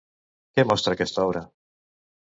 Què mostra aquesta obra?